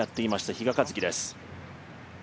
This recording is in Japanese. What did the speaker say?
比嘉一貴です。